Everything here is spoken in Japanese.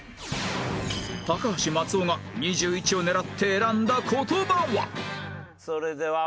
高橋・松尾が２１を狙って選んだ言葉は？